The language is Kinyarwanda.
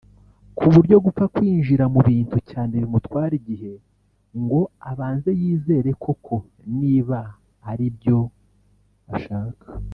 ku buryo gupfa kwinjira mu bintu cyane bimutwara igihe ngo abanze yizere koko niba aribyo ashaka